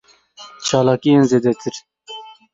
Çalakiyên zêdetir.